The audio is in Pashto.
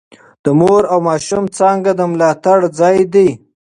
د مور او ماشوم څانګه د ملاتړ ځای دی.